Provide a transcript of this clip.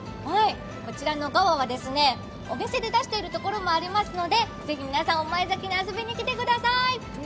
こちらのがわは、お店で出しているところもありますのでぜひ皆さん、御前崎に遊びに来てください。